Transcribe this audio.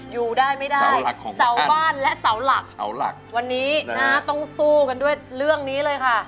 อยู่ได้ไม่ได้เสาบ้านและเสาหลักเสาหลักวันนี้นะต้องสู้กันด้วยเรื่องนี้เลยค่ะ